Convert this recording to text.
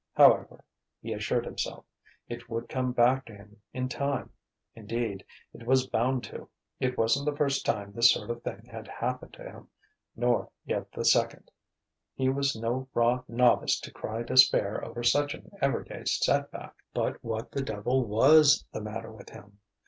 However (he assured himself) it would come back to him in time. Indeed, it was bound to. It wasn't the first time this sort of thing had happened to him, nor yet the second: he was no raw novice to cry despair over such an everyday set back. But what the devil was the matter with him?